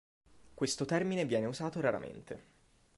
Questo termine viene usato raramente.